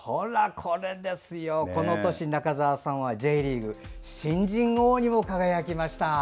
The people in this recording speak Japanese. この年、中澤さんはＪリーグ新人王にも輝きました。